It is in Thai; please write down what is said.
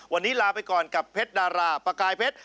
วันนี้ลาไปก่อนกับเพชรดาราประกายเพชร